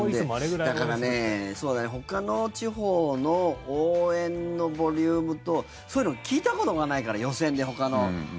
だからほかの地方の応援のボリュームとそういうのを聞いたことがないから予選でほかの。